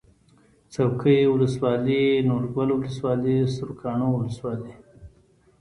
څوکۍ ولسوالي نورګل ولسوالي سرکاڼو ولسوالي